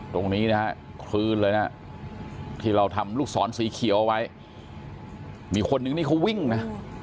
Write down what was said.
ตรงนี้นะฮะคลืนเลยนะที่เราทำลูกศรสีเขียวเอาไว้มีคนนึงนี่เขาวิ่งนะ